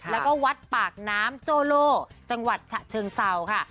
แล้วก็วัดปากน้ำโจโลจังหวัดฉะเชิงเศร้าค่ะ